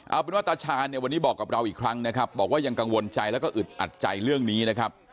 เอาเป็นว่าตาชาญเนี่ยวันนี้บอกกับเราอีกครั้งนะครับบอกว่ายังกังวลใจแล้วก็อึดอัดใจเรื่องนี้นะครับ